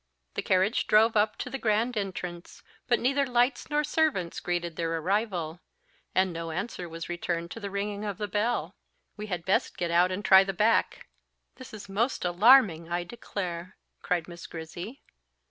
The carriage drove up to the grand entrance; but neither lights nor servants greeted their arrival; and no answer was returned to the ringing of the bell. "We had best get out and try the back. This is most alarming, I declare!" cried Miss Grizzy.